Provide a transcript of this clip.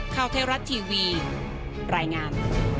ข้าวเทศรัตน์ทีวีรายงาน